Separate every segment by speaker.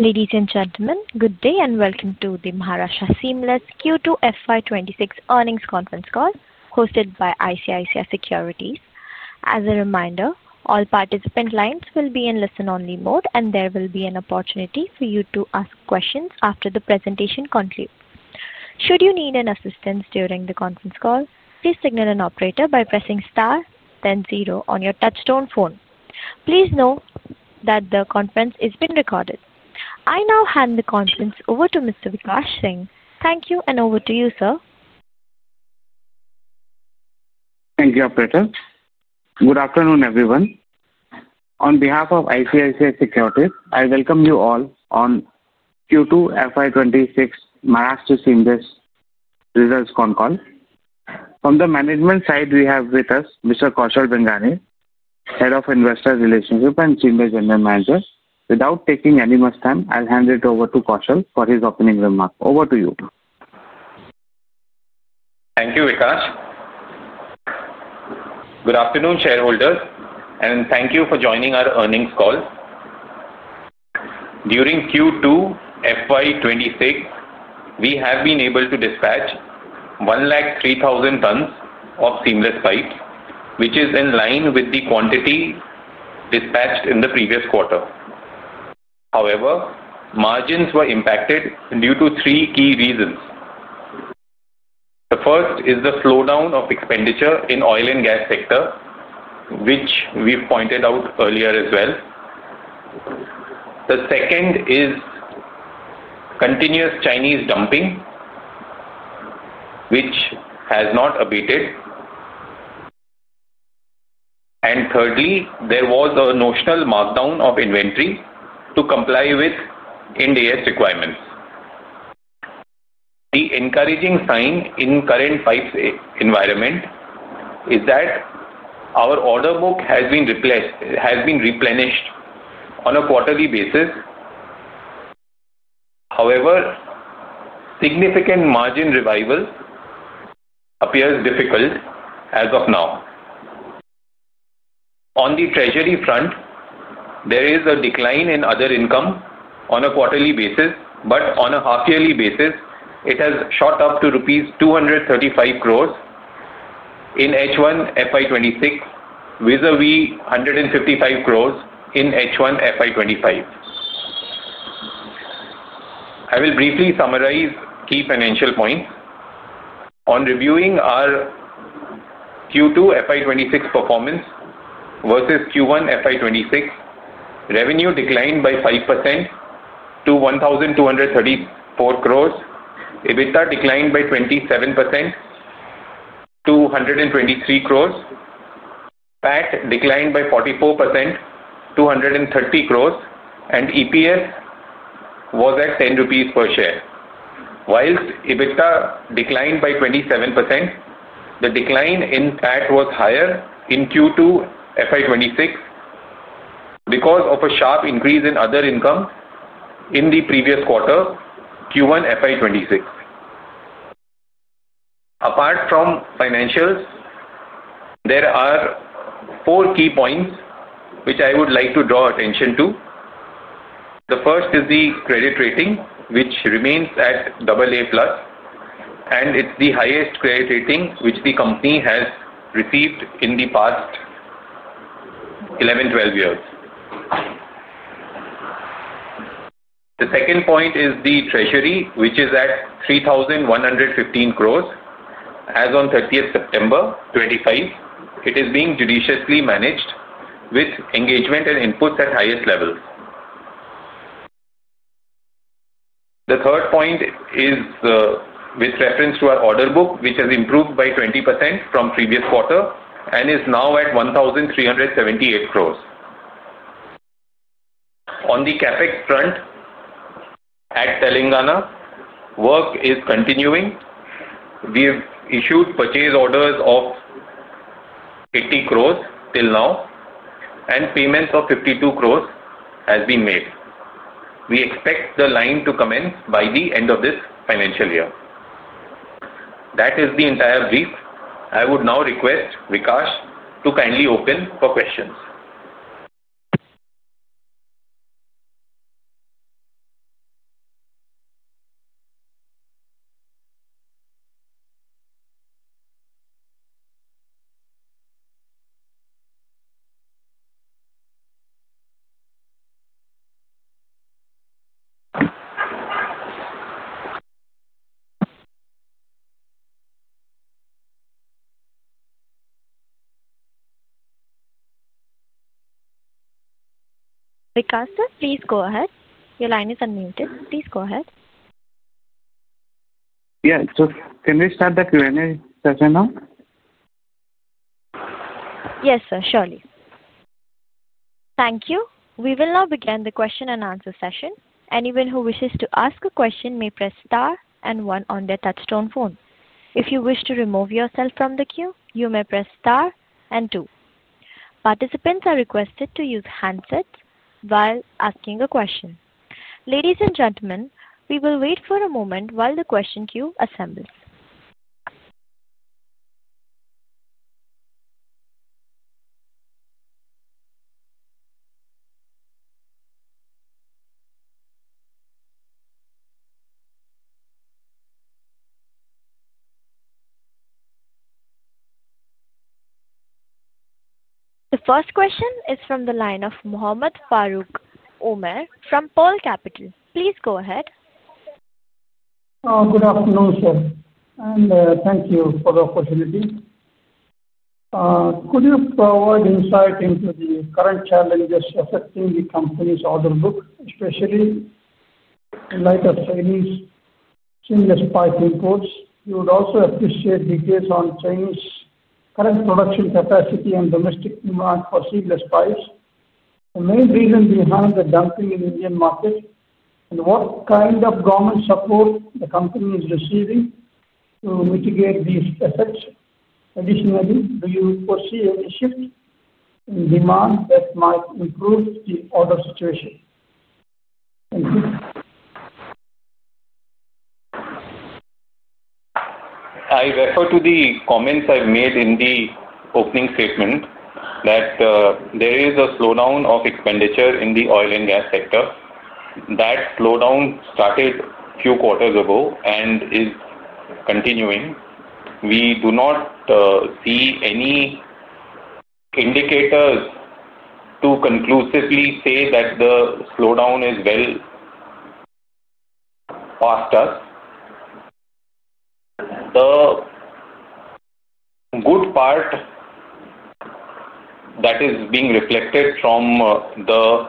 Speaker 1: Ladies and gentlemen, good day and welcome to the Maharashtra Seamless Q2 FY 2026 earnings conference call hosted by ICICI Securities. As a reminder, all participant lines will be in listen only mode and there will be an opportunity for you to ask questions after the presentation concludes. Should you need any assistance during the conference call, please signal an operator by pressing star then zero on your touch-tone phone. Please note that the conference is being recorded. I now hand the conference over to Mr. Vikas Singh. Thank you. And over to you, sir.
Speaker 2: Thank you, operator. Good afternoon everyone. On behalf of ICICI Securities, I welcome you all on Q2 FY 2026 Maharashtra Seamless results con call. From the management side, we have with us Mr. Kaushal Bengani, Head of Investor Relations and Senior General Manager. Without taking any much time, I'll hand it over to Kaushal for his opening remarks. Over to you.
Speaker 3: Thank you, Vikas. Good afternoon shareholders and thank you for joining our earnings call. During Q2 FY 2026 we have been able to dispatch 13,000 tonnes of seamless pipe which is in line with the quantity dispatched in the previous quarter. However, margins were impacted due to three key reasons. The first is the slowdown of expenditure in oil and gas sector which we pointed out earlier as well. The second is continuous Chinese dumping which has not abated. Thirdly, there was a notional markdown of inventory to comply with IND AS requirements. The encouraging sign in current pipes environment is that our order book has been replenished on a quarterly basis. However, significant margin revival appears difficult as of now. On the treasury front, there is a decline in other income on a quarterly basis. On a half yearly basis it has shot up to INR 235 crore. 235 crores in H1 FY 2026 vis a vis 155 crores in H1 FY 2025. I will briefly summarize key financial points on reviewing our Q2 FY 2026 performance versus Q1 FY26. Revenue declined by 5% to 1,234 crores. EBITDA declined by 27% to 123 crores. PAT declined by 44%, 230 crores, and EPS was at 10 rupees per share whilst EBITDA declined by 27%. The decline in PAT was higher in Q2 FY 2026 because of a sharp increase in other income in the previous quarter, Q1 FY 2026. Apart from financials, there are four key points which I would like to draw attention to. The first is the credit rating which remains at AA and it is the highest credit rating which the company has received in the past 11-12 years. The second point is the treasury which is at 3,115 crores as on 30th September. It is being judiciously managed with engagement and inputs at highest levels. The third point is with reference to our order book which has improved by 20% from previous quarter and is now at 1,378 crore. On the CapEx front at Telangana, work is continuing. We have issued purchase orders of crores till now and payments of 52 crore have been made. We expect the line to commence by the end of this financial year. That is the entire brief. I would now request Vikas to kindly open for questions.
Speaker 1: Vikas, please go ahead. Your line is unmuted. Please go ahead.
Speaker 4: Yeah. Can we start the Q&A session now?
Speaker 1: Yes, sir, surely. Thank you. We will now begin the question and answer session. Anyone who wishes to ask a question may press star and one on their touchstone phone. If you wish to remove yourself from the queue, you may press star and two. Participants are requested to use handsets while asking a question. Ladies and gentlemen, we will wait for a moment while the question queue assembles. The first question is from the line of Mohammad Farooq Umar from Pearl Capital. Please go ahead.
Speaker 5: Good afternoon, sir, and thank you for the opportunity. Could you provide insight into the current challenges affecting the company's order book? Especially in light of Saini's seamless piping course. We would also appreciate details on Chinese current production capacity and domestic demand for seamless pipes. The main reason behind the dumping in Indian market and what kind of government support the company is receiving to mitigate these effects. Additionally, do you foresee any shift in demand that might improve the order situation? Thank you.
Speaker 3: I refer to the comments I made in the opening statement that there is a slowdown of expenditure in the oil and gas sector. That slowdown started a few quarters ago and is continuing. We do not see any indicators to conclusively say that the slowdown is well past us. The good part that is being reflected from the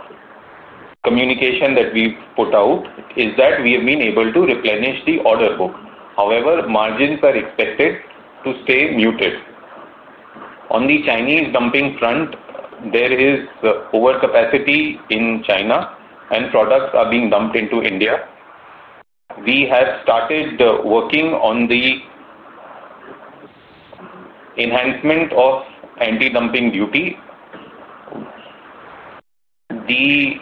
Speaker 3: communication that we put out is that we have been able to replenish the order book. However, margins are expected to stay muted on the Chinese dumping front. There is overcapacity in China and products are being dumped into India. We have started working on the enhancement of anti-dumping duty. The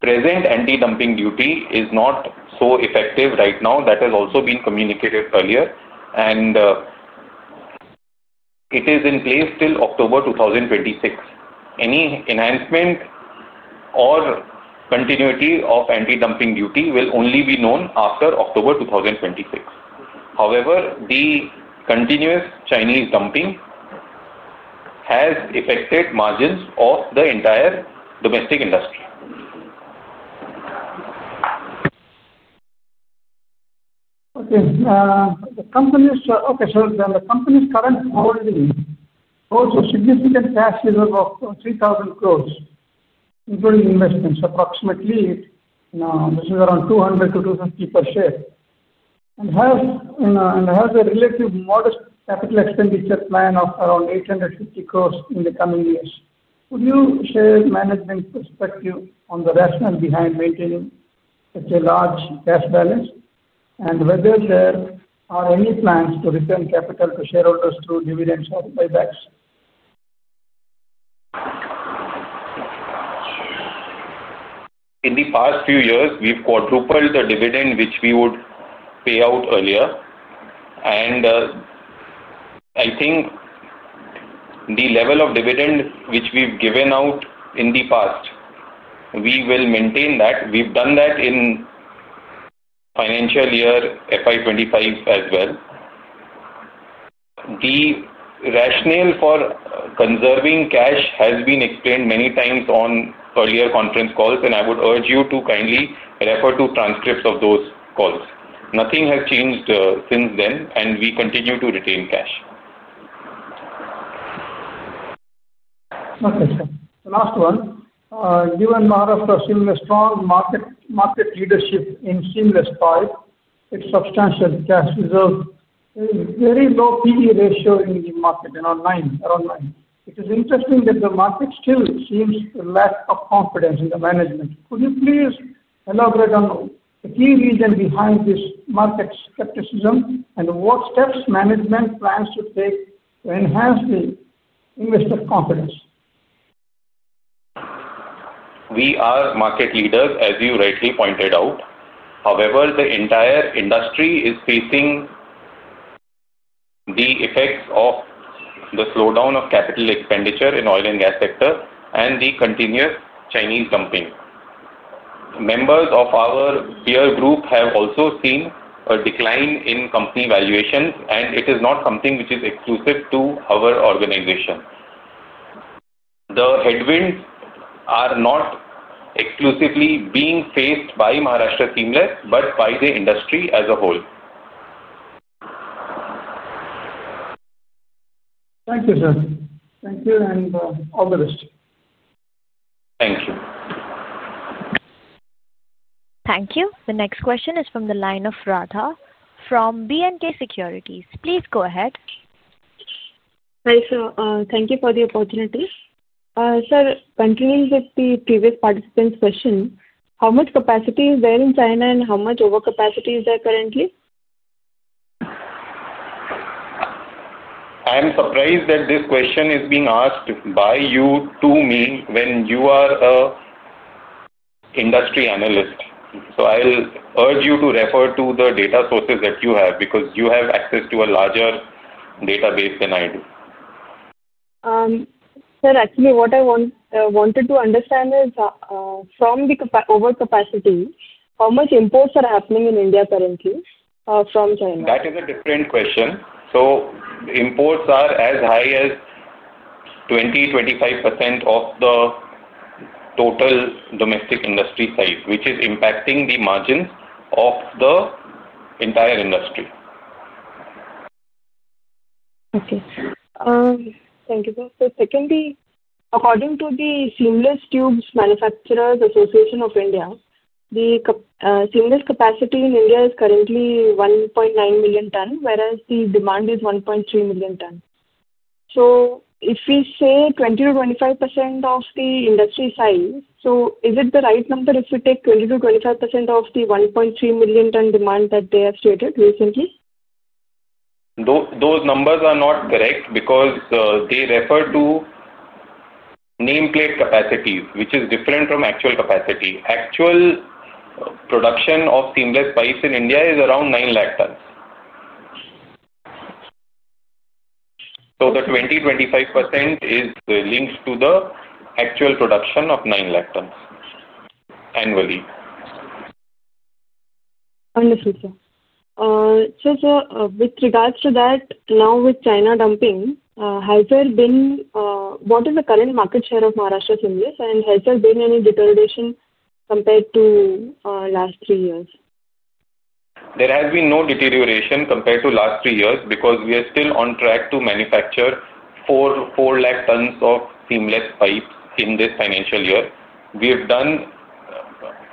Speaker 3: present anti-dumping duty is not so effective right now. That has also been communicated earlier and it is in place till October 2026. Any enhancement or continuity of anti-dumping duty will only be known after October 2026. However, the continuous Chinese dumping has affected margins of the entire domestic industry.
Speaker 5: Okay. The company's current holds a significant cash reserve of 3,000 crore. Including investments. Approximately this is around 200- 250 per share. And has a relative modest capital expenditure plan of around 850 crore in the coming years. Could you share management's perspective on the rationale behind maintaining such a large cash balance and whether there are any plans to return capital to shareholders through dividends or buybacks?
Speaker 3: In the past few years we've quadrupled the dividend which we would pay out earlier. I think the level of dividend which we've given out in the past we will maintain. We've done that in financial year 2025 as well. The rationale for conserving cash has been explained many times on earlier conference calls. I would urge you to kindly refer to transcripts of those calls. Nothing has changed since then and we continue to retain cash.
Speaker 5: Okay, sir. The last one, given Maharashtra pursuing a strong market leadership in seamless pipe, its substantial cash reserve, very low P/E ratio in the market around 9. It is interesting that the market still seems to lack confidence in the management. Could you please elaborate on the key reason behind this market skepticism and what steps management plans to take to enhance the investor confidence?
Speaker 3: We are market leaders as you rightly pointed out. However, the entire industry is facing the effects of the slowdown of capital expenditure in the oil and gas sector and the continuous Chinese competition. Members of our peer group have also seen a decline in company valuations. It is not something which is exclusive to our organization. The headwinds are not exclusively being faced by Maharashtra Seamless but by the industry as a whole.
Speaker 5: Thank you, sir. Thank you. All the rest.
Speaker 3: Thank you.
Speaker 1: Thank you. The next question is from the line of Radha from B&K Securities. Please go ahead.
Speaker 6: Hi sir. Thank you for the opportunity. Sir, continuing with the previous participant's question, how much capacity is there in China and how much overcapacity is there currently?
Speaker 3: I am surprised that this question is being asked by you to me when you are an industry analyst. I will urge you to refer to the data sources that you have because you have access to a larger database than I do.
Speaker 6: Actually what I wanted to understand is from the overcapacity how much imports are happening in India currently from China?
Speaker 3: That is a different question. Imports are as high as 20%-25% of the total domestic industry size, which is impacting the margins of the entire industry.
Speaker 6: Okay. Thank you. Secondly, according to the Seamless Tubes Manufacturers Association of India the seamless capacity in India is currently 1.9 million ton. Whereas the demand is 1.3 million tonnes. So if we say 20%-25% of the industry size. So is it the right number if we take 20-25% of the 1.3 million ton demand that they have stated recently?
Speaker 3: Those numbers are not correct because they refer to nameplate capacity, which is different from actual capacity. Actual production of seamless pipes in India is around 900,000 tons. So the 20%-25% is linked to the actual production of 900,000 tons annually.
Speaker 6: With regards to that, now with China dumping, has there been, what is the current market share of Maharashtra Seamless, and has there been any deterioration compared to the last three years?
Speaker 3: There has been no deterioration compared to the last three years. Because we are still on track to manufacture 400,000 tonnes of seamless pipes in this financial year. We have done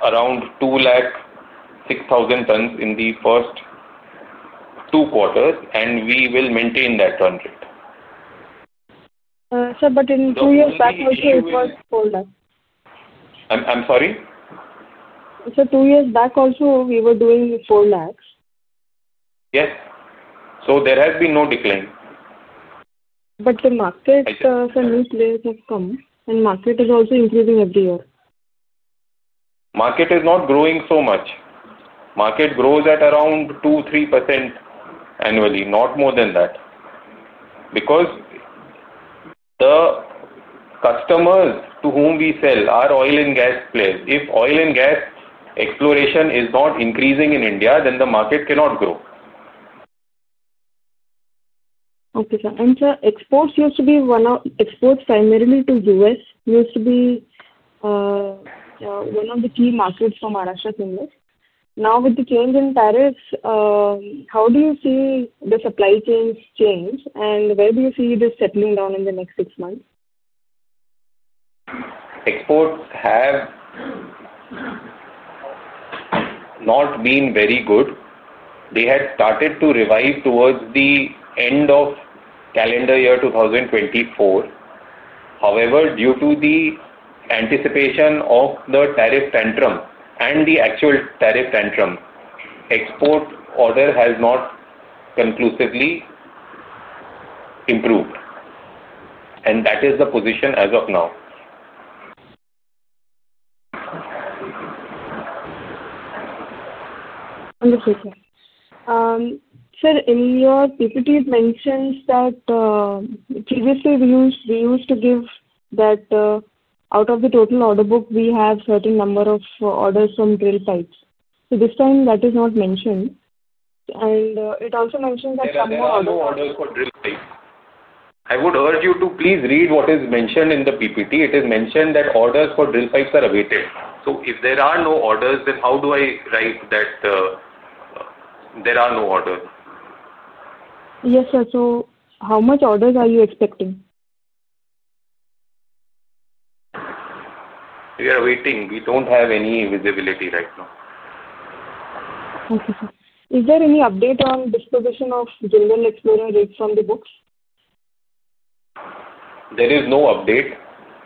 Speaker 3: around 26,000 tonnes in the first two quarters. We will maintain that ton rate.
Speaker 6: Sir. In two years back also it was 400,000.
Speaker 3: I'm sorry.
Speaker 6: Two years back also we were doing 400,000.
Speaker 3: Yes. There has been no decline.
Speaker 6: The market for new players has come, and the market is also increasing every year.
Speaker 3: Market is not growing so much. Market grows at around 2%-3% annually. Not more than that. Because the customers to whom we sell are oil and gas players. If oil and gas exploration is not increasing in India then the market cannot grow.
Speaker 6: Okay, sir. Exports used to be one of exports primarily to us. Used to be one of the key markets. From now with the change in Paris, how do you see the supply chains change and where do you see the settlement down in the next six months?
Speaker 3: Exports have not been very good. They had started to revive towards the end of calendar year 2024. However, due to the anticipation of the tariff tantrum and the actual tariff tantrum, export order has not conclusively improved. That is the position as of now.
Speaker 6: Sir, in your PPT it mentions that previously we used. We used to give that out of the total order book. We have certain number of orders from drill sites. This time that is not mentioned. It also mentioned that.
Speaker 3: I would urge you to please read what is mentioned in the ppt. It is mentioned that orders for drill pipes are awaited. If there are no orders, then how do I write that there are no orders?
Speaker 6: Yes, sir. So how much orders are you expecting?
Speaker 3: We are waiting. We do not have any visibility right now.
Speaker 6: Is there any update on disposition of? General Explorer rig from the books?
Speaker 3: There is no update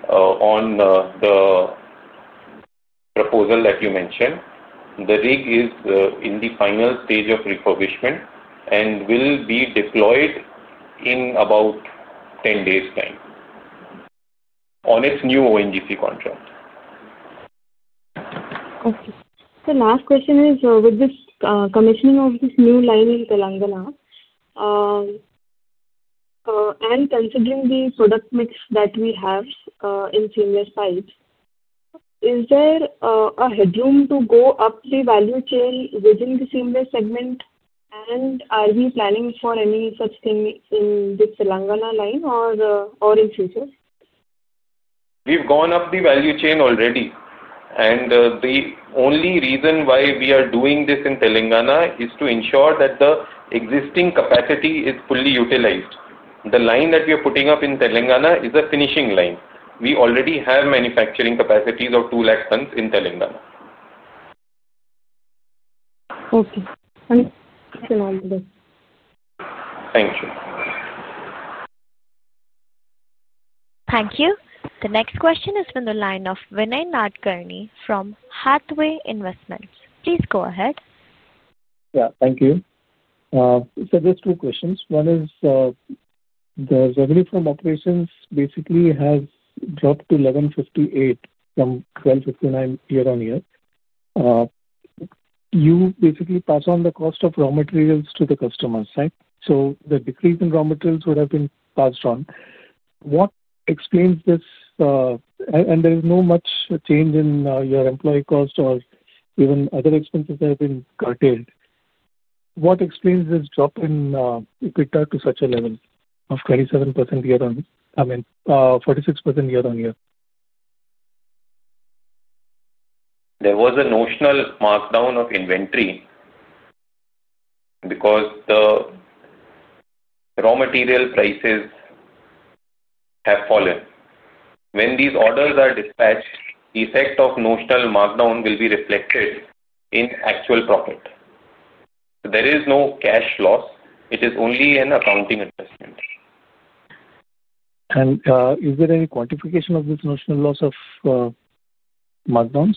Speaker 3: on the proposal that you mentioned. The rig is in the final stage of refurbishment and will be deployed in about 10 days' time on its new ONGC contract.
Speaker 6: The last question is with this commissioning of this new line in Telangana and considering the product mix that we have in seamless side, is there a headroom to go up the value chain within the seamless segment and are we planning for any such thing in this Telangana line or in future?
Speaker 3: We've gone up the value chain already. The only reason why we are doing this in Telangana is to ensure that the existing capacity is fully utilized. The line that we are putting up in Telangana is a finishing line. We already have manufacturing capacities of 200,000 tons in Telangana.
Speaker 6: Okay, thank you.
Speaker 1: Thank you. The next question is from the line of Vinay Nadkarni from Hathaway Investments. Please go ahead.
Speaker 7: Yeah, thank you. So there's two questions. One is the revenue from operations basically has dropped to 1,158 million from 1,259 million year-on-year you basically pass on the cost of raw materials to the customer side. So the decrease in raw materials would have been passed on. What explains this? There is no much change in your employee cost or even other expenses have been curtailed. What explains this drop in EBITDA to such a level of 27% year on, I mean 46% year-on year.
Speaker 3: There was a notional markdown of inventory because the raw material prices have fallen. When these orders are dispatched, effect of notional markdown will be reflected in actual profit. There is no cash loss. It is only an accounting investment.
Speaker 7: Is there any quantification of this notional loss of markdowns?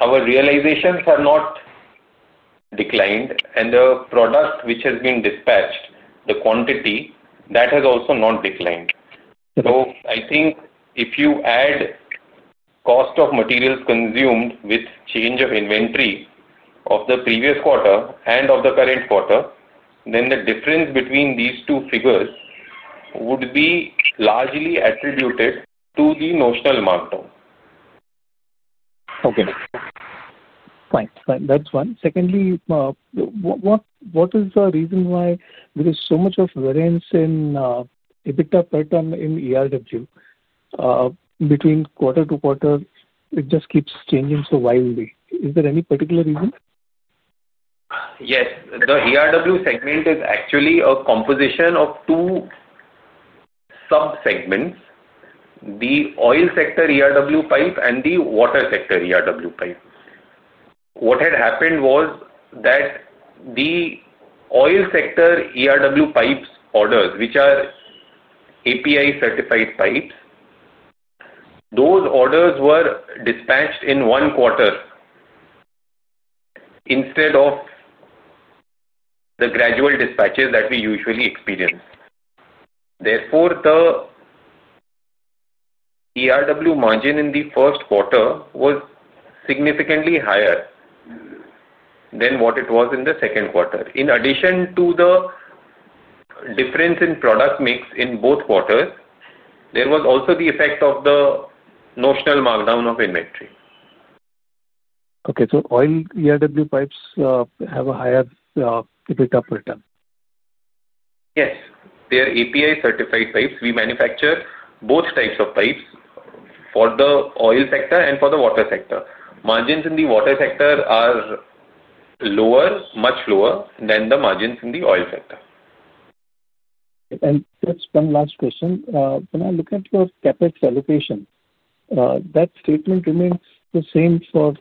Speaker 3: Our realizations are not declined. The product which has been dispatched, the quantity, that has also not declined. I think if you add cost of materials consumed with change of inventory of the previous quarter and of the current quarter, then the difference between these two figures would be largely attributed to the notional markdown.
Speaker 7: Okay, fine. That's one. Secondly, what is the reason why there is so much of variance in EBITDA pattern in ERW between quarter to quarter? It just keeps changing. Is there any particular reason?
Speaker 3: Yes. The ERW segment is actually a composition of two sub segments. The oil sector ERW pipe and the water sector ERW pipe. What had happened was that the oil sector ERW pipes orders, which are API certified pipes, those orders were dispatched in one quarter instead of the gradual dispatches that we usually experience. Therefore, the ERW margin in the first quarter was significantly higher than what it was in the second quarter. In addition to the difference in product mix in both quarters, there was also the effect of the notional markdown of inventory.
Speaker 7: Okay, so oil ERW pipes have a higher EBITDA.
Speaker 3: Yes, they are API certified pipes. We manufacture both types of pipes for the oil sector and for the water sector. Margins in the water sector are lower, much lower than the margins in the oil sector.
Speaker 7: Just one last question. When I look at your CapEx allocation, that statement remains the same for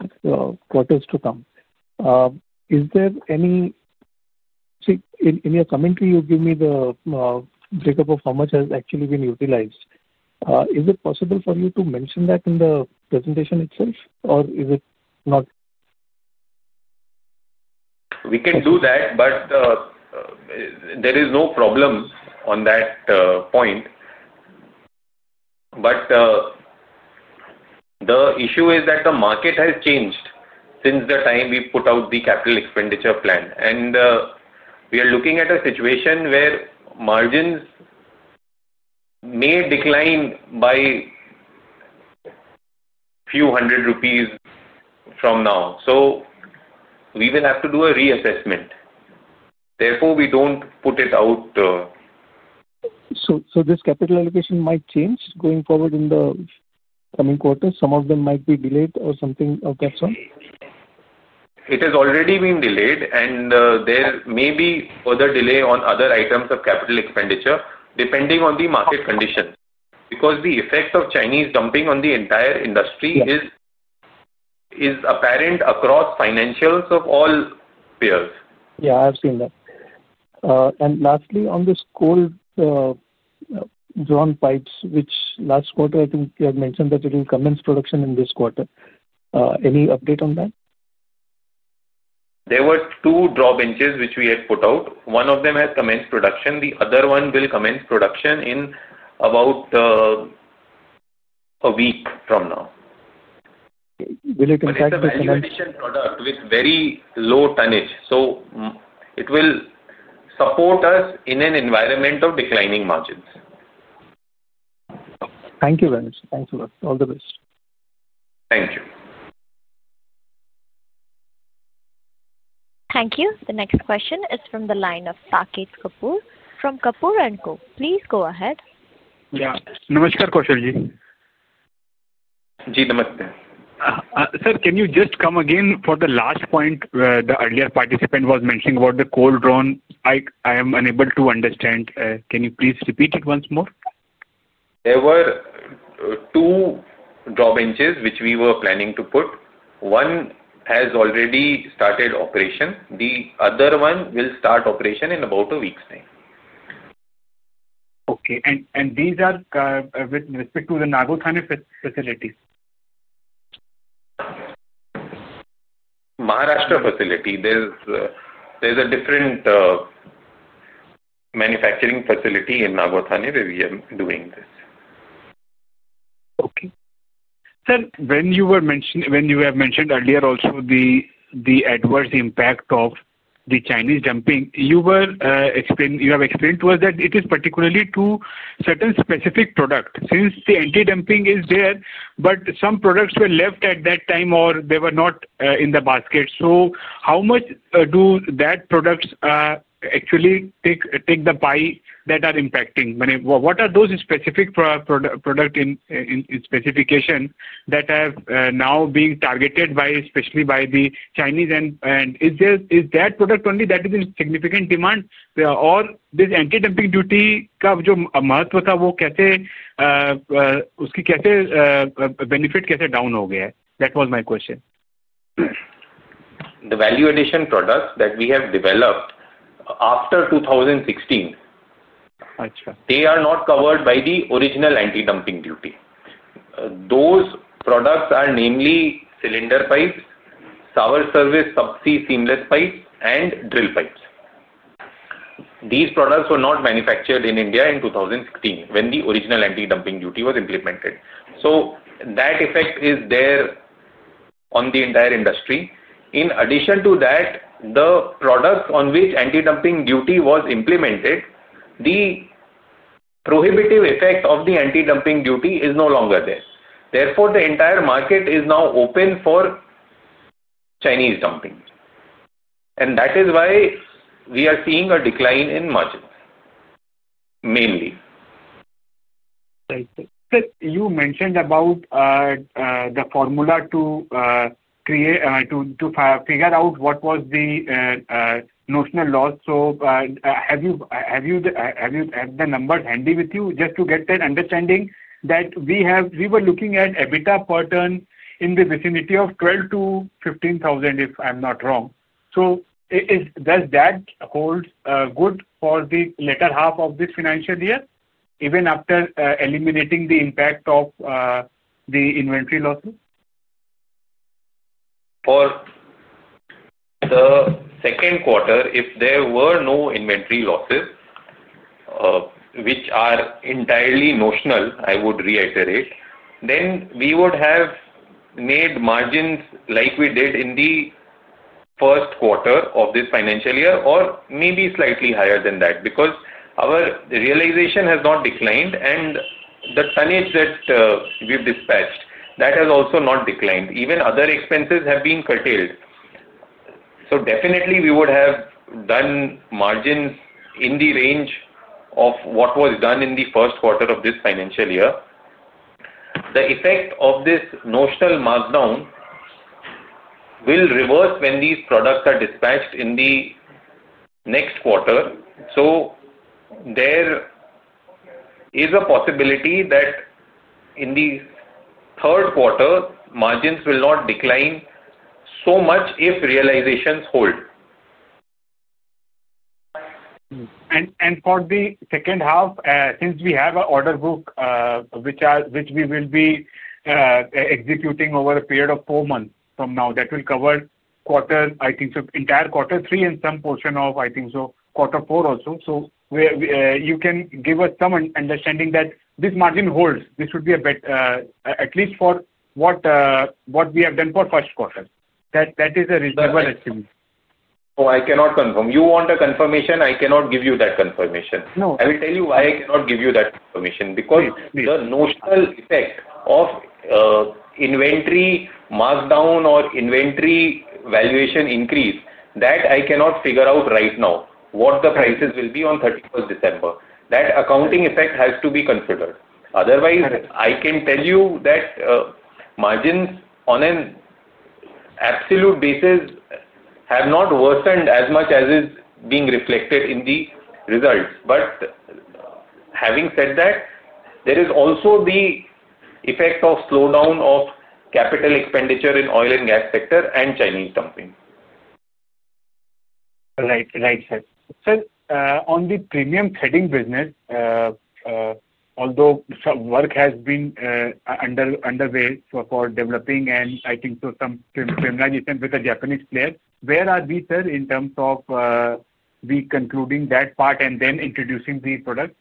Speaker 7: quarters to come. Is there any—see, in your commentary you give me the breakup of how much has actually been utilized. Is it possible for you to mention that in the presentation itself or is it not?
Speaker 3: We can do that, but there is no problem on that point. The issue is that the market has changed since the time we put out the capital expenditure plan. We are looking at a situation where margins may decline by a few hundred rupees from now. We will have to do a reassessment. Therefore we do not put it out.
Speaker 7: This capital allocation might change going forward in the coming quarters. Some of them might be delayed or something.
Speaker 3: It has already been delayed. There may be other delay on other items of capital expenditure depending on the market conditions. Because the effect of Chinese dumping on the entire industry is apparent across financials of all peers.
Speaker 7: Yeah, I have seen that. Lastly, on this cold drawn pipes, which last quarter I think you had mentioned that it will commence production in this quarter. Any update on that?
Speaker 3: There were two draw benches which we had put out. One of them has commenced production. The other one will commence production in about a week from now with very low tonnage. It will support us in an environment of declining margins.
Speaker 7: Thank you very much. Thanks a lot. All the best.
Speaker 3: Thank you.
Speaker 1: Thank you. The next question is from the line of Saket Kapoor from Kapoor & Co. Please go ahead.
Speaker 8: Sir, can you just come again for the last point? The earlier participant was mentioning about the cold drawn. I am unable to understand. Can you please repeat it once more?
Speaker 3: There were two draw benches which we were planning to put. One has already started operation. The other one will start operation in about a week.
Speaker 8: Okay. And these are with respect to the Nagothane facilities.
Speaker 3: Maharashtra facility. There's a different manufacturing facility in Nagothane where we are doing this.
Speaker 8: Okay. Sir, when you have mentioned earlier also the adverse impact of the Chinese dumping, you were explaining, you have explained to us that it is particularly to certain specific products since the anti-dumping is there, but some products were left at that time or they were not in the basket. How much do those products actually take the bite that are impacting? What are those specific products and specifications that have now been targeted especially by the Chinese? Is that product only the one that is in significant demand or is this anti-dumping duty? That was my question.
Speaker 3: The value addition products that we have developed after 2016, they are not covered by the original anti-dumping duty. Those products are namely cylinder pipes, sour service subsea seamless pipes, and drill pipes. These products were not manufactured in India in 2016 when the original anti-dumping duty was implemented. That effect is there on the entire industry. In addition to that, the product on which anti-dumping duty was implemented, the prohibitive effect of the anti-dumping duty is no longer there. Therefore, the entire market is now open for Chinese dumping. That is why we are seeing a decline in margin. Mainly.
Speaker 8: You mentioned about the formula to create to figure out what was the notional loss. Have you had the numbers handy with you? Just to get that understanding that we have, we were looking at EBITDA per ton in the vicinity of 12,000 to 15,000 if I'm not wrong. Does that hold good for the latter half of this financial year, even after eliminating the impact of the inventory losses?
Speaker 3: For the second quarter? If there were no inventory losses, which are entirely notional, I would reiterate, then we would have made margins like we did in the first quarter of this financial year, or maybe slightly higher than that because our realization has not declined and the tonnage that we've dispatched, that has also not declined. Even other expenses have been curtailed. Definitely we would have done margins in the range of what was done in the first quarter of this financial year. The effect of this notional markdown will reverse when these products are dispatched in the next quarter. There is a possibility that in the third quarter margins will not decline so much if realizations hold.
Speaker 8: For the second half, since we have an order book which we will be executing over a period of four months from now, that will cover quarter, I think entire quarter three and some portion of, I think, quarter four also. You can give us some understanding that if this margin holds, this would be a bit, at least for what we have done for first quarter, that that is a reasonable achievement.
Speaker 3: Oh, I cannot confirm. You want a confirmation? I cannot give you that confirmation, no. I will tell you why I cannot give you that information because the notional effect of inventory markdown or inventory valuation increase, that I cannot figure out right now what the prices will be on the 31st of December. That accounting effect has to be considered, otherwise I can tell you that margins on an absolute basis have not worsened as much as is being reflected in the results. Having said that, there is also the effect of slowdown of capital expenditure in oil and gas sector and Chinese companies.
Speaker 8: Right? Right sir, on the premium trading business, although some work has been underway for developing and I think some families with the Japanese players, where are we sir in terms of we concluding that part and then introducing the product?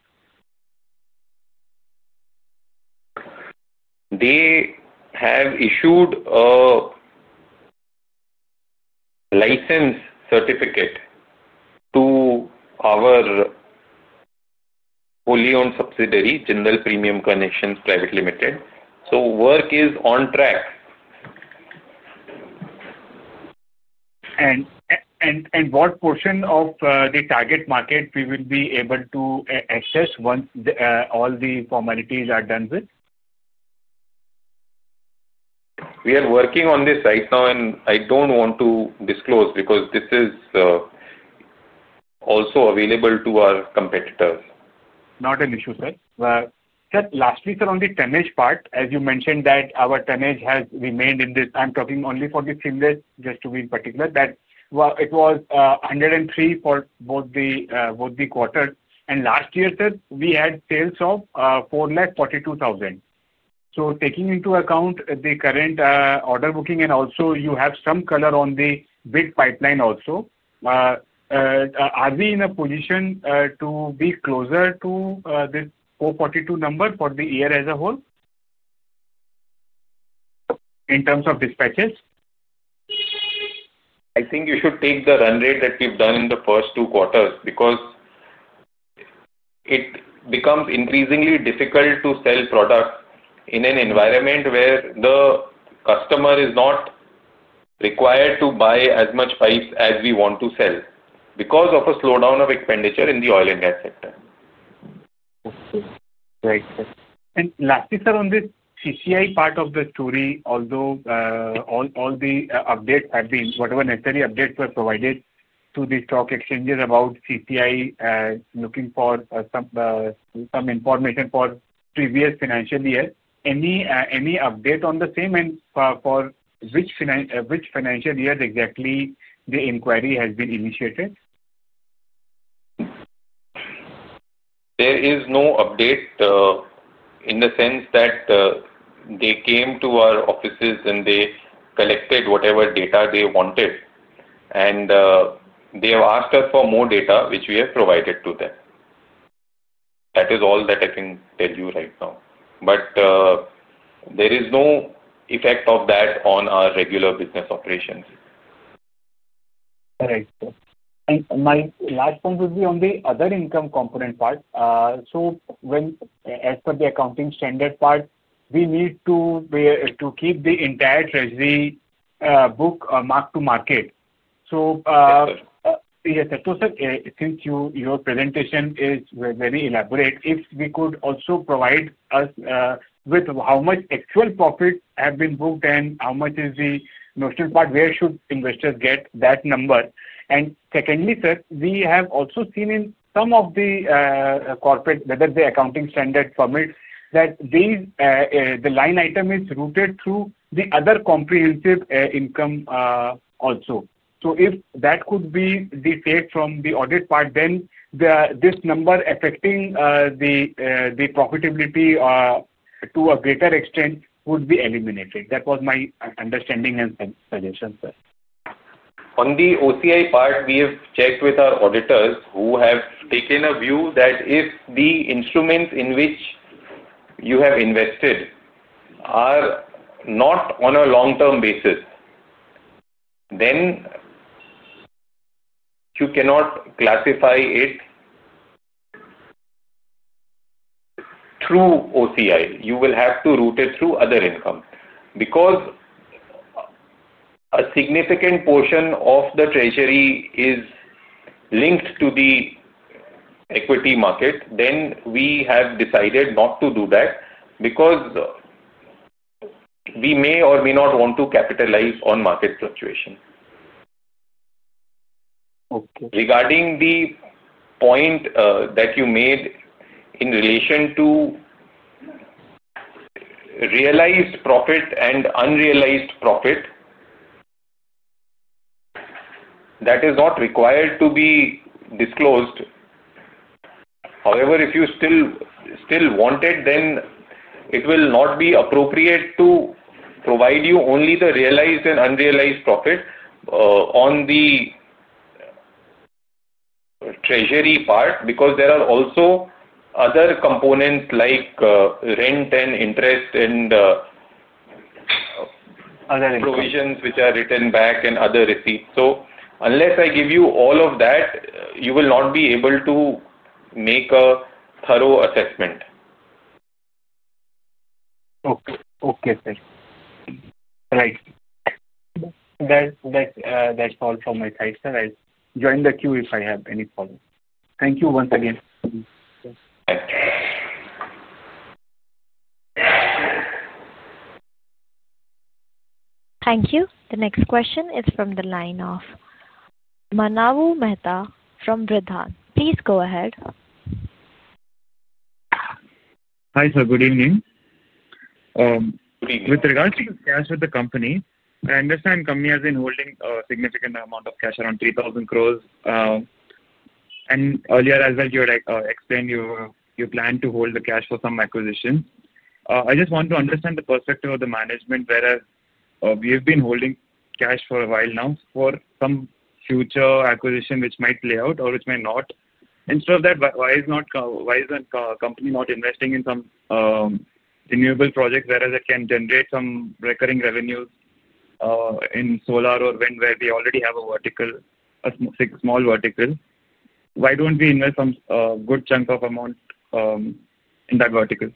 Speaker 3: They have issued a license certificate to our fully owned subsidiary General Premium Connections Private Limited, so work is on track.
Speaker 8: What portion of the target market will we be able to access once all the formalities are done with?
Speaker 3: We are working on this right now and I don't want to disclose because this is also available to our competitors.
Speaker 8: Not an issue sir. Lastly sir, on the tonnage part as you mentioned that our tonnage has remained in this. I'm talking only for the Finland just to be in particular that it was 103 for both the quarter and last year we had sales of 442,000. So taking into account the current order booking and also you have some color on the big pipeline also are we in a position to be closer to the 442 number for the year as a whole in terms of dispatches I.
Speaker 3: Think you should take the run rate that we've done in the first two quarters because it becomes increasingly difficult to sell products in an environment where the customer is not required to buy as much pipes as we want to sell because of a slowdown of expenditure in the oil and gas sector.
Speaker 8: Lastly, sir, on this CCI part of the story, although all the updates have been, whatever necessary updates were provided to the stock exchanges about CCI looking for some information for previous financial year, any update on the same and for which financial year exactly the inquiry has been initiated?
Speaker 3: There is no update in the sense that they came to our offices and they collected whatever data they wanted and they have asked us for more data which we have provided to them. That is all that I can tell you right now, but there is no effect of that on our regular business operations.
Speaker 8: My last point would be on the other income component part. As per the accounting standard part, we need to keep the entire treasury book mark to market. S since your presentation is very elaborate, if we could also provide us with how much actual profit has been booked and how much is the notional part, where should investors get that number? Secondly, sir, we have also seen in some of the corporates whether the accounting standard permits that the line item is routed through the other comprehensive income also. If that could be defect from the audit part, then this number affecting the profitability to a greater extent would be eliminated. That was my understanding and suggestion.
Speaker 3: On the OCI part. We have checked with our auditors who have taken a view that if the instruments in which you have invested are not on a long-term basis, then you cannot classify it through OCI. You will have to route it through other income. Because a significant portion of the treasury is linked to the equity market, then we have decided not to do that. Because we may or may not want to capitalize on market fluctuation. Regarding the point that you made in relation to realized profit and unrealized profit, that is not required to be disclosed. However, if you still want it, then it will not be appropriate to provide you only the realized and unrealized profit on the treasury part. Because there are also other components like rent and interest and provisions which are written back and other receipts. Unless I give you all of that, you will not be able to make a thorough assessment.
Speaker 8: Okay. Right. That's all for my side, sir. I will join the queue if I have any problem. Thank you once again.
Speaker 1: Thank you. The next question is from the line of Manav Mehta from Bridhaan]. Please go ahead.
Speaker 9: Hi sir. Good evening. With regards to cash with the company, I understand company has been holding a significant amount of cash, around 3,000 crore. And earlier as well you explained you plan to hold the cash for some acquisitions. I just want to understand the perspective of the management, where we have been holding cash for a while now for some future acquisition which might play out or which may not. Instead of that, why is the company not investing in some renewable projects? Whereas it can generate some recurring revenues in solar or wind, where we already have a vertical, a small vertical. Why don't we invest some good chunk of amount in that vertical?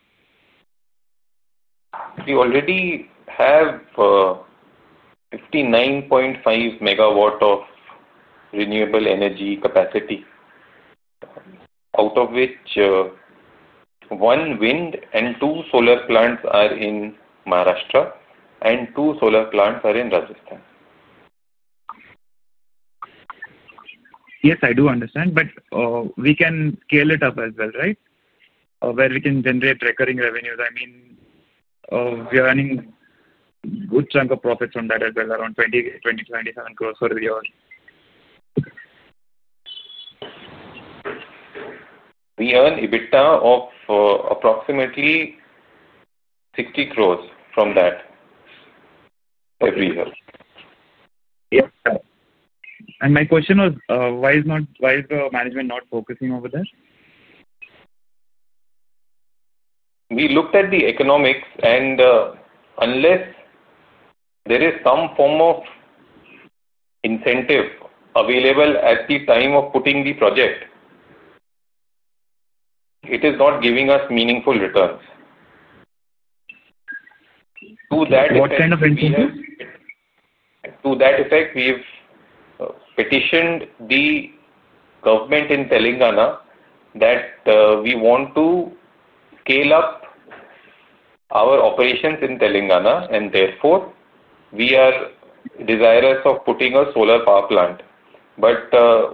Speaker 3: We already have 59.5 MW of renewable energy capacity. Out of which one wind and two solar plants are in Maharashtra. Two solar plants are in Rajasthan.
Speaker 9: Yes, I do understand. We can scale it up as well, right? Where we can generate recurring revenues. I mean, we are earning a good chunk of profits from that as well, around 20-27 crore for the year.
Speaker 3: We earn EBITDA of approximately 60 crore from that every year.
Speaker 9: My question was why is the management not focusing over there?
Speaker 3: We looked at the economics and unless there is some form of incentive available at the time of putting the project, it is not giving us meaningful returns. To that effect, we've petitioned the government in Telangana that we want to scale up our operations in Telangana and therefore we are desirous of putting a solar power plant, but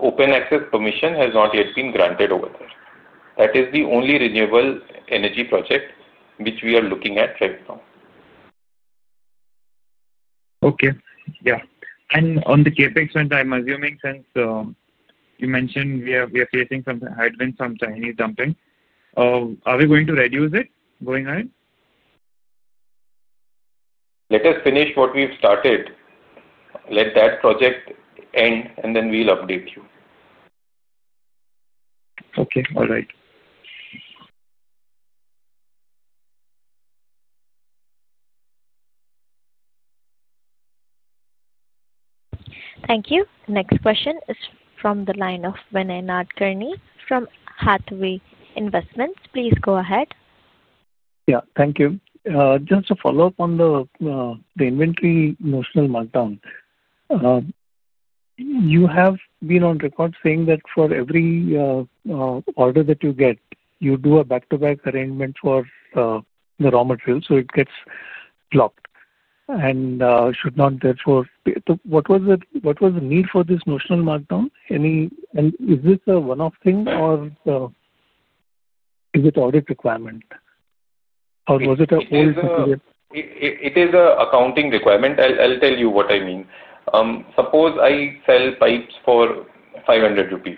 Speaker 3: open access permission has not yet been granted over there. That is the only renewable energy project which we are looking at right now.
Speaker 9: Okay. Yeah. On the CapEx, and I'm assuming since you mentioned we are facing some headwinds from Chinese dumping, are we going to reduce it going ahead?
Speaker 3: Let us finish what we've started, let that project end, and then we'll update you.
Speaker 9: Okay. All right.
Speaker 1: Thank you. Next question is from the line of Venkat Kearney from Hathaway Investments. Please go ahead.
Speaker 10: Yeah. Thank you. Just to follow up on the inventory notional markdown, you have been on record saying that for every order that you get you do a back to back arrangement for the raw material. So it gets blocked and should not therefore, what was it? What was the need for this notional markdown? Any. And is this a one off thing or is it audit requirement or was it an old.
Speaker 3: It is an accounting requirement. I'll tell you what I mean. Suppose I sell pipes for 500 rupees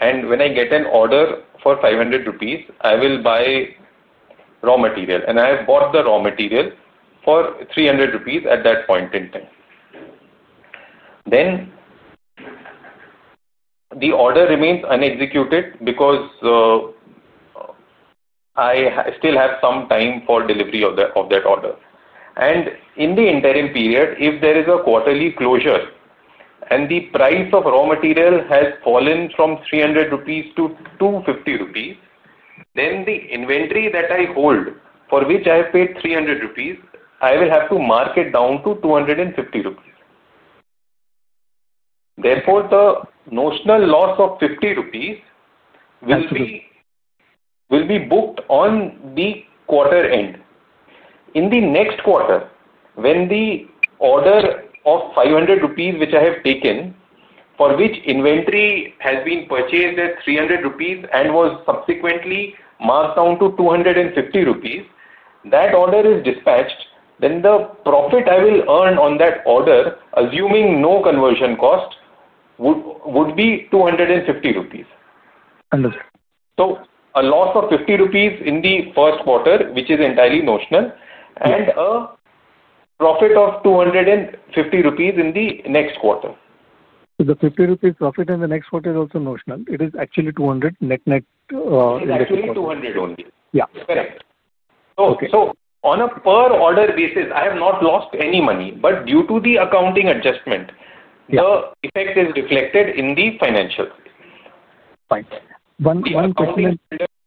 Speaker 3: and when I get an order for 500 rupees I will buy raw material and I have bought the raw material for 300 rupees at that point in time then the order remains unexecuted because I still have some time for delivery of that order. In the interim period if there is a quarterly closure and the price of raw material has fallen from 300-250 rupees, then the inventory that I hold for which I have paid 300 rupees I will have to mark it down to 250 rupees. Therefore the notional loss of 50 rupees will be booked on the quarter end in the next quarter. When the order of 500 rupees which I have taken for which inventory has been purchased at 300 rupees and was subsequently marked down to 250 rupees, that order is dispatched, then the profit I will earn on that order assuming no conversion cost would be 250 rupees. So a loss of 50 rupees in the first quarter which is entirely notional and a profit of 250 rupees in the next quarter.
Speaker 10: The 50 rupees profit in the next quarter is also notional. It is actually 200 net net. Yeah, correct.
Speaker 3: On a per order basis I have not lost any money. Due to the accounting adjustment, the effect is reflected in the financial. It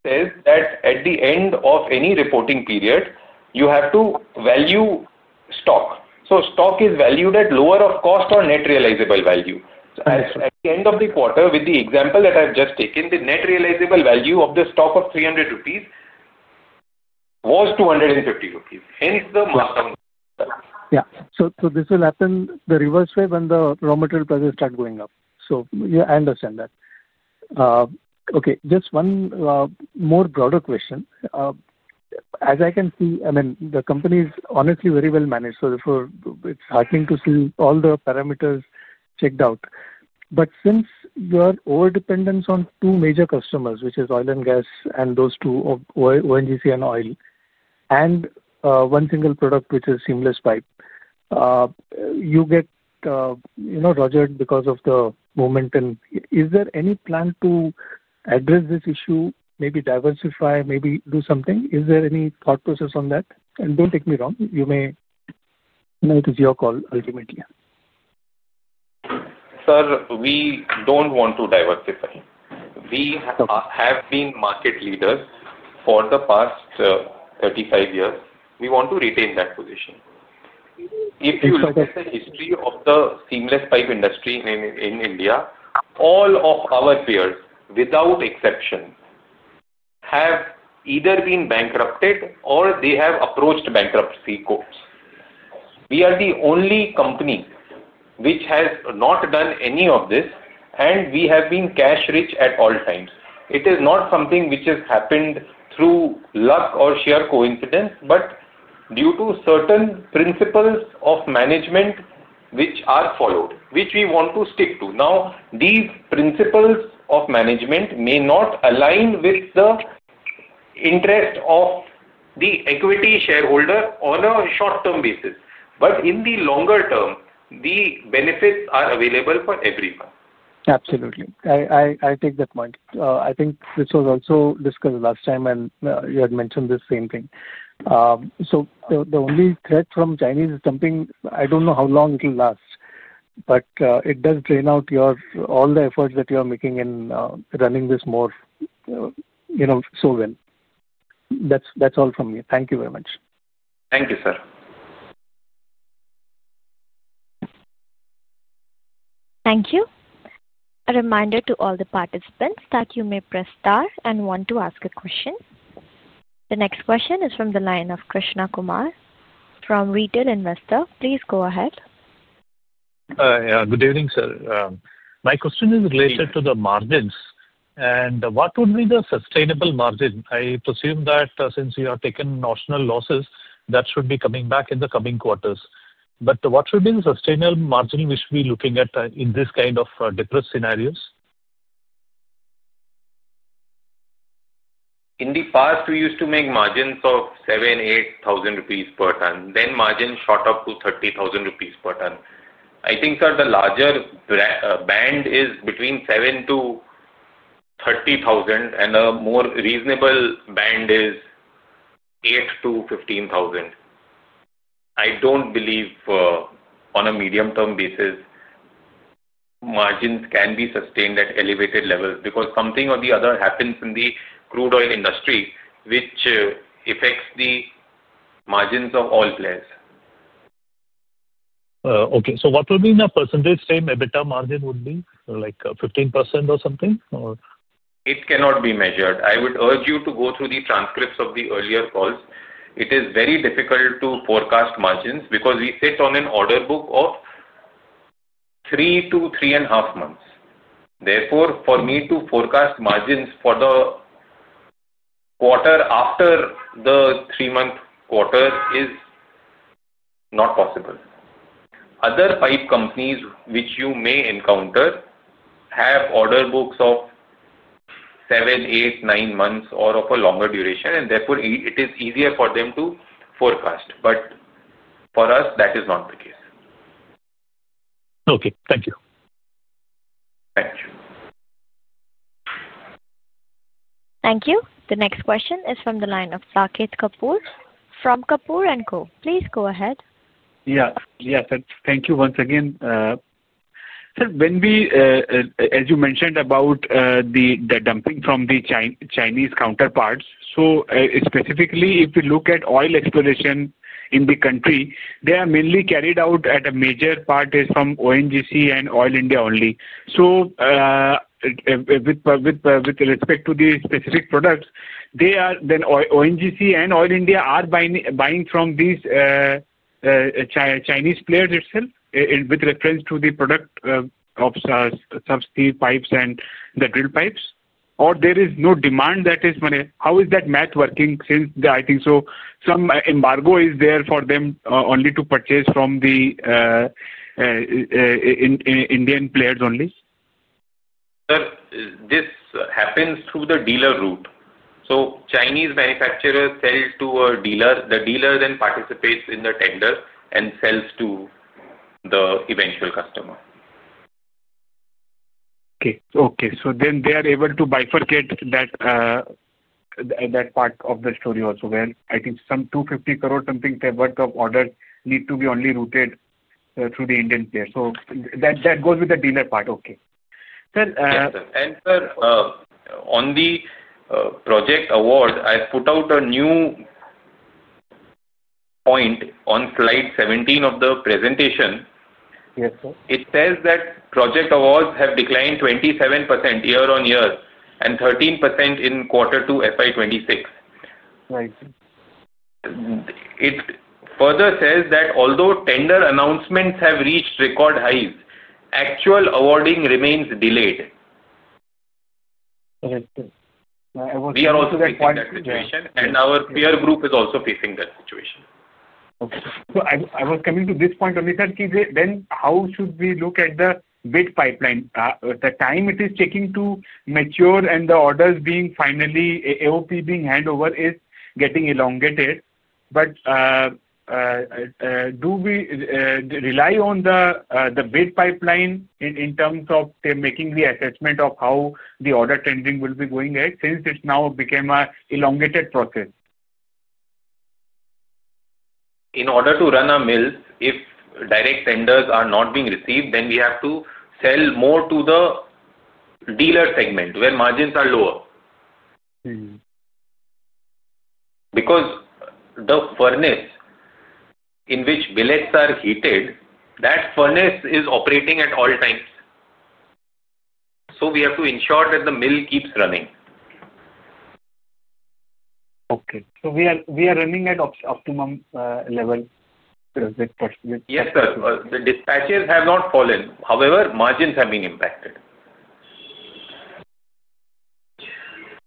Speaker 3: says that at the end of any reporting period you have to value stock. Stock is valued at lower of cost or net realizable value at the end of the quarter. With the example that I've just taken, the net realizable value of the stock of 300 rupees was 250 rupees. Hence the markdown.
Speaker 10: Yeah. This will happen the reverse way and the raw material prices start going up. Yeah, I understand that. Okay. Just one more broader question. As I can see, I mean, the company is honestly very well managed. Therefore, it is heartening to see all the parameters checked out. Since you are overdependent on two major customers, which is oil and gas, and those two, ONGC and Oil India, and one single product, which is seamless pipes, you get, you know, Roger, because of the momentum. Is there any plan to address this issue? Maybe diversify, maybe do something? Is there any thought process on that? Do not take me wrong, you may know it is your call, ultimately.
Speaker 3: Sir, we do not want to diversify. We have been market leaders for the past 35 years. We want to retain that position. If you look at the history of the seamless pipe industry in India, all of our peers, without exception, have either been bankrupted or they have approached bankruptcy courts. We are the only company which has not done any of this and we have been cash rich at all times. It is not something which has happened through luck or sheer coincidence but due to certain principles of management which are followed, which we want to stick to. Now, these principles of management may not align with the interest of the equity shareholder on a short-term basis, but in the longer term the benefits are available for everyone.
Speaker 10: Absolutely, I take that point. I think this was also discussed last time and you had mentioned the same thing. The only threat from Chinese is something. I do not know how long it will last, but it does drain out your, all the efforts that you are making in running this more, you know, so well. That is all from me. Thank you very much.
Speaker 3: Thank you, sir.
Speaker 1: Thank you. A reminder to all the participants that you may press star and one to ask a question. The next question is from the line of Krishna Kumar from Retail Investor. Please go ahead.
Speaker 11: Good evening, sir. My question is related to the margins and what would be the sustainable margin? I presume that since you have taken losses that should be coming back in the coming quarters. What should be the sustainable margin? We should be looking at this. Kind of depressed scenarios?
Speaker 3: In the past we used to make margins of 7,000-8,000 rupees per ton. Then margin shot up to 30,000 rupees per ton. I think, sir, the larger band is between 7,000-30,000 and a more reasonable band is 8,000-15,000. I do not believe on a medium term basis margins can be sustained at elevated levels because something or the other happens in the crude oil industry which affects the margins of all players.
Speaker 11: Okay, so what will be the percentage? Same EBITDA margin would be like 15% or something.
Speaker 3: It cannot be measured. I would urge you to go through the transcripts of the earlier calls. It is very difficult to forecast margins because we sit on an order book of three to three and a half months. Therefore for me to forecast margins for the quarter after the three-month quarter is not possible. Other five companies which you may encounter have order books of 7, 8, 9 months or of a longer duration and therefore it is easier for them to forecast. For us that is not the case.
Speaker 11: Okay, thank you. Thank you.
Speaker 1: Thank you. The next question is from the line of Saket Kapoor from Kapoor & Co. Please go ahead.
Speaker 8: Yeah, yeah, thank you. Once again when we, as you mentioned about the dumping from the Chinese counterparts. Specifically, if you look at oil exploration in the country, they are mainly carried out, a major part is from ONGC and Oil India only. So with respect to these specific products, they are then ONGC and Oil India are buying from these Chinese players itself with reference to the product of subsea pipes and the drill pipes, or there is no demand, that is money. How is that math working? I think some embargo is there for them only to purchase from the Indian players only.
Speaker 3: This happens through the dealer route. So Chinese manufacturer sell to a dealer. The dealer then participates in the tender, sells to the eventual customer.
Speaker 8: Okay. Okay. Then they are able to bifurcate that part of the story also? I think some 250 crore something worth of order need to be only routed through the Indian pair, so that goes with the dealer part. Okay.
Speaker 3: On the project award I put out a new point on Slide 17 of the presentation. It says that project awards have declined 27% year-on-year and 13% in quarter two FY 2026. It further says that although tender announcements have reached record highs, actual awarding remains delayed. We are also facing that situation. Our peer group is also facing that situation.
Speaker 8: I was coming to this point only, third. How should we look at the bid pipeline? The time it is taking to mature and the orders being finally AOP being hand over is getting elongated. Do we rely on the bid pipeline in terms of making the assessment of how the order tension will be going since it's now become an elongated process?
Speaker 3: In order to run a mill, if direct tenders are not being received, then we have to sell more to the dealer segment where margins are lower because the furnace in which billets are heated, that furnace is operating at all times. We have to ensure that the mill keeps running.
Speaker 8: Okay, so we are we are running at optimum level. Yes sir.
Speaker 3: The dispatches have not fallen. However, margins have been impacted.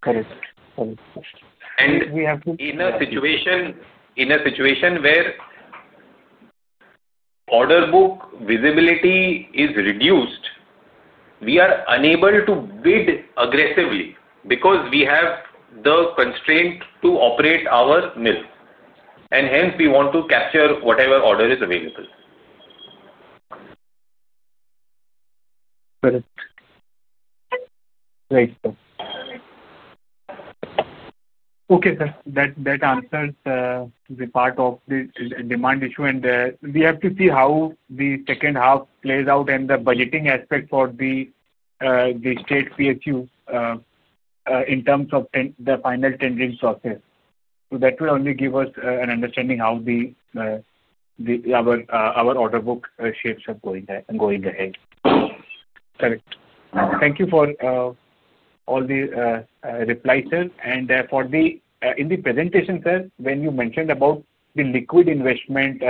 Speaker 8: Correct.
Speaker 3: In a situation where order book visibility is reduced, we are unable to bid aggressively because we have the constraint to operate our mill, and hence we want to capture whatever order is available.
Speaker 8: Correct? Okay, sir, that answers the part of the demand issue. We have to see how the second half plays out. The budgeting aspect for the state PSU in terms of the final tendering sources will only give us an understanding how our order book shapes are going ahead. Correct. Thank you for all the replies and for the in the presentation. Sir, when you mentioned about the liquid investment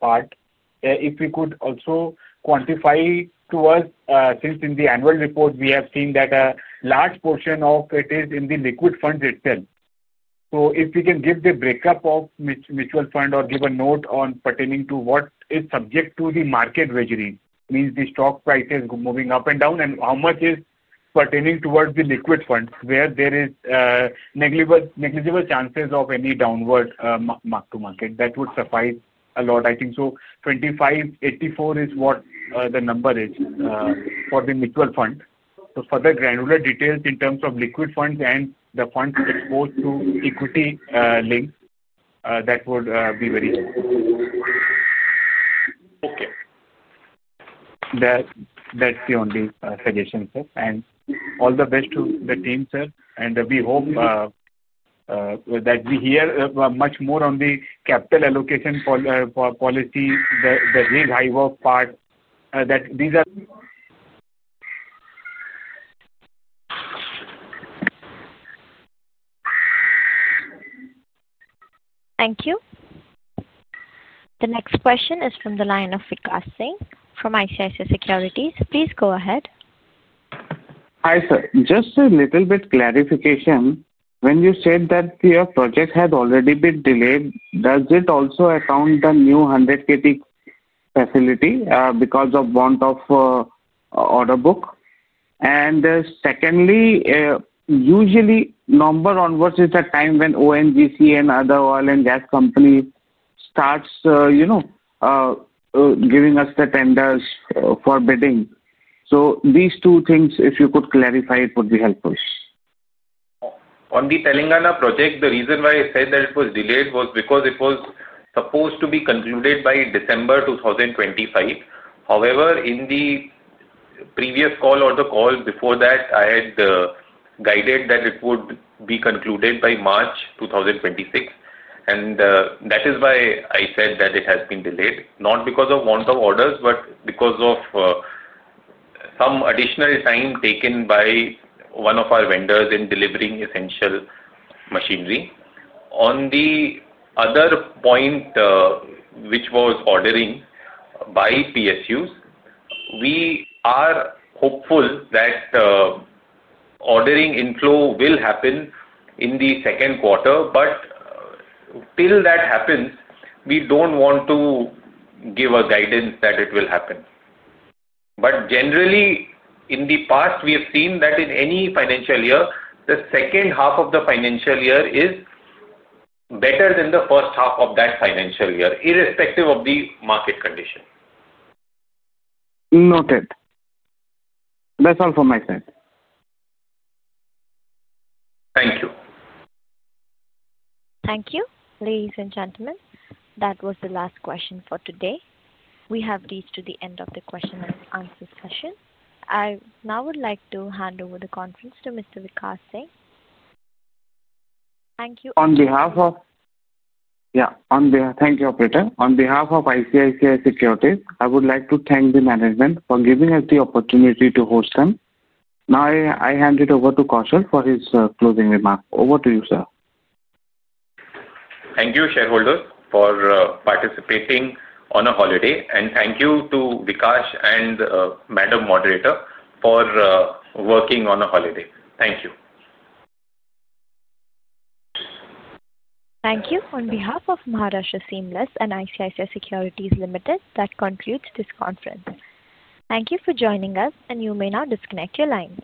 Speaker 8: part. If we could also quantify to us since in the annual report we have seen that a large portion of it is in the liquid fund itself. If we can give the breakup of mutual fund or give a note on pertaining to what is subject to the market wagering means the stock price is moving up and down. And how much is pertaining towards the liquid funds, where there is negligible chances of any downward mark to market. That would suffice a lot. I think 2,584 is what the number is for the mutual fund. For the granular details in terms of liquid funds and the fund exposed to equity link that would be very.
Speaker 3: Okay.
Speaker 8: That's the only suggestion, sir. All the best to the team, sir. We hope that we hear much more on the capital allocation policy. The part that these are.
Speaker 1: Thank you. The next question is from the line of Vikas Singh from ICICI Securities. Please go ahead.
Speaker 2: Hi sir, just a little bit clarification. When you said that your project had already been delayed, does it also account the new 100 KT facility because of want of order book? Secondly, usually number onwards is the time when ONGC and other oil and gas company starts, you know, giving us the tenders for bidding. These two things, if you could clarify, it would be helpful.
Speaker 3: On the Telangana project, the reason why I said that it was delayed was because it was supposed to be concluded by December 2025. However, in the previous call or the call before that I had guided that it would be concluded by March 2026. That is why I said that it has been delayed, not because of want of orders but because of some additional time taken by one of our vendors in delivering essential machinery. On the other point which was ordering by PSUs, we are hopeful that ordering inflow will happen in the second quarter. Till that happens we do not want to give a guidance that it will happen. Generally, in the past we have seen that in any financial year the second half of the financial year is better than the first half of that financial year irrespective of the market condition.
Speaker 2: Noted. That's all for myself.
Speaker 3: Thank you.
Speaker 1: Thank you. Ladies and gentlemen, that was the last question for today. We have reached the end of the question and answer session. I now would like to hand over the conference to Mr. Vikas Singh. Thank you.
Speaker 2: On behalf of. Yeah. Thank you, operator. On behalf of ICICI Securities, I would like to thank the management for giving us the opportunity to host them. Now I hand it over to Kaushal for his closing remark. Over to you, sir.
Speaker 3: Thank you shareholders for participating on a holiday. Thank you to Vikas and Madam Moderator for working on a holiday. Thank you
Speaker 1: Thank you on behalf of Maharashtra Seamless and ICICI Securities Limited. That concludes this conference. Thank you for joining us. You may now disconnect your lines.